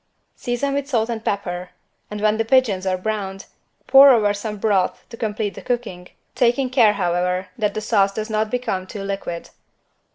Season with salt and pepper, and when the pigeons are browned, pour over some broth to complete the cooking, taking care, however, that the sauce does not become too liquid.